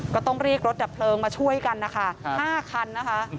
ก็ต้องเรียกรถดับเพลิงมาช่วยกันนะคะ๕คันนะคะ